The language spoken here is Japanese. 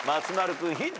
君ヒント